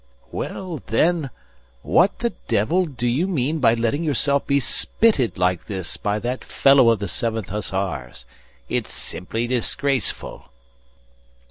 Well, then, what the devil do you mean by letting yourself be spitted like this by that fellow of the Seventh Hussars? It's simply disgraceful!"